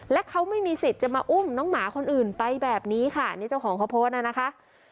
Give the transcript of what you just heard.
และเขาไม่มีสิทธิ์จะมาอุ้มน้องหมาคนอื่นไปแบบนี้ค่ะนี่เจ้าของเขาโพสต์น่ะนะคะ